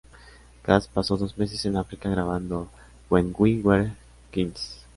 Gast pasó dos meses en África grabando "When We Were Kings".